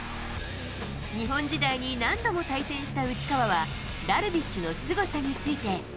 日本時代に何度も対戦した内川は、ダルビッシュのすごさについて。